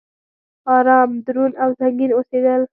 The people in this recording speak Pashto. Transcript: ارام، دروند او سنګين اوسيدل